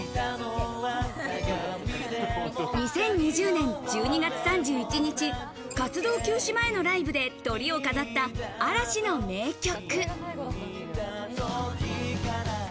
２０２０年１２月３１日、活動休止前のライブでトリを飾った嵐の名曲。